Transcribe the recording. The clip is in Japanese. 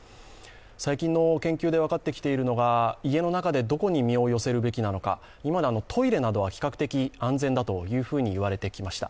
最近の研究で分かってきているのが家の中でどこに身を寄せるべきなのか、今までトイレなどは比較的安全だというふうにいわれてきました。